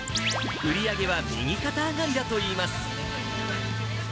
売り上げは右肩上がりだといいます。